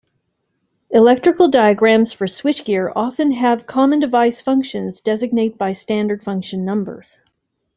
Electrical diagrams for switchgear often have common device functions designate by standard function numbers.